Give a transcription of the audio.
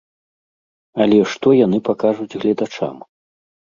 Але што яны пакажуць гледачам?